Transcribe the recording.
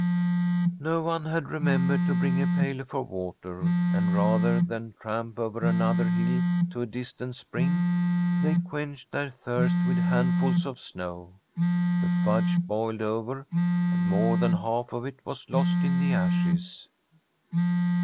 No one had remembered to bring a pail for water, and rather than tramp over another hill to a distant spring, they quenched their thirst with handfuls of snow. The fudge boiled over, and more than half of it was lost in the ashes.